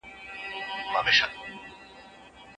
د نفوس زیاتوالی څه اغیزې لري؟